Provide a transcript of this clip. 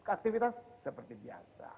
aktivitas seperti biasa